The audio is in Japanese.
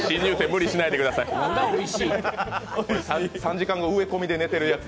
無理しないでください。